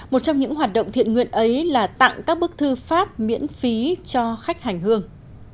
một trong những hoạt động thiện nguyện ấy là tặng các bức thư pháp miễn phí cho khách hành hương